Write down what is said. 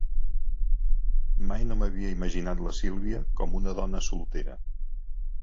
Mai no m'havia imaginat la Sílvia com una dona soltera.